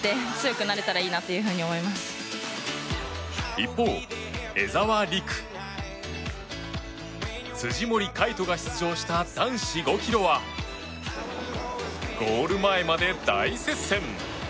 一方、江沢陸辻森魁人が出場した男子５ｋｍはゴール前まで大接戦。